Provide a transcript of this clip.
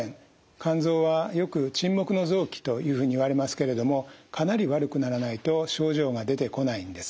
肝臓はよく沈黙の臓器というふうにいわれますけれどもかなり悪くならないと症状が出てこないんです。